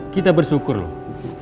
kita bersyukur loh